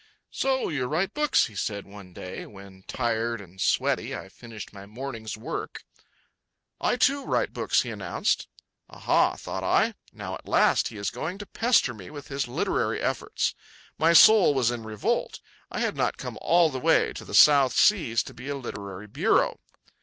"So you write books," he said, one day when, tired and sweaty, I finished my morning's work. "I, too, write books," he announced. Aha, thought I, now at last is he going to pester me with his literary efforts. My soul was in revolt. I had not come all the way to the South Seas to be a literary bureau.